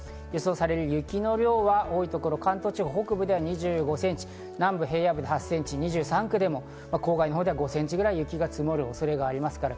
予想される雪の量は多いところ、関東地方北部で２５センチ、南部平野部で８センチ、２３区でも郊外のほうでは５センチぐらい雪が降る恐れがあります。